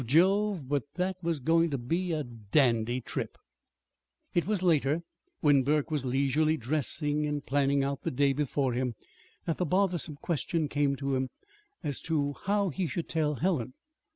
Jove, but that was going to be a dandy trip! It was later, while Burke was leisurely dressing and planning out the day before him, that the bothersome question came to him as to how he should tell Helen.